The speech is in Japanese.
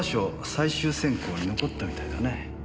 最終選考に残ったみたいだね。